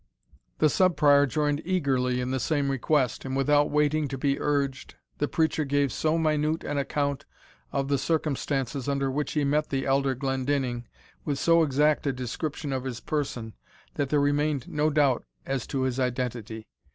The Sub Prior joined eagerly in the same request, and, without waiting to be urged, the preacher gave so minute an account of the circumstances under which he met the elder Glendinning, with so exact a description of his person, that there remained no doubt as to his identity.